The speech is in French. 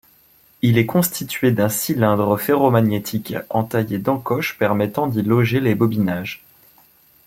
Il est constitué d'un cylindre ferromagnétique entaillé d'encoches permettant d'y loger les bobinages.